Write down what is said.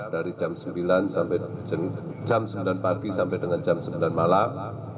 dari jam sembilan pagi sampai dengan jam sembilan malam